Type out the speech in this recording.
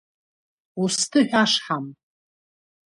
Усҭыҳә ашҳам!